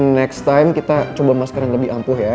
next time kita coba masker yang lebih ampuh ya